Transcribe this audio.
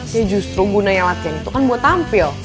sih justru gunanya latihan itu kan buat tampil